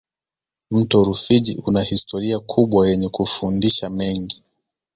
mto rufiji una historia kubwa yenye kufundisha mengi